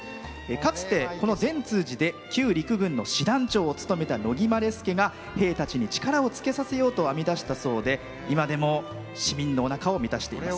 かつて、この善通寺で旧陸軍の師団長をつとめた乃木希典が兵たちに力をつけさせようと編み出したそうで今でも市民たちのおなかを満たしています。